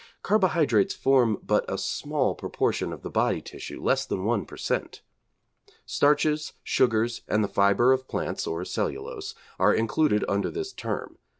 Carbohydrates form but a small proportion of the body tissue, less than one per cent. Starches, sugars, and the fibre of plants, or cellulose, are included under this term.